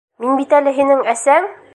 - Мин бит әле һинең әсәң!